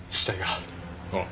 ああ。